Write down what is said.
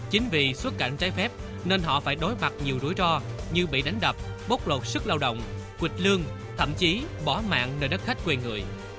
chính vì xuất cảnh trái phép nên họ phải đối mặt nhiều rủi ro như bị đánh đập bóc lột sức lao động quỵch lương thậm chí bỏ mạng nơi đất khách quê người